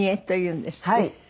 はい。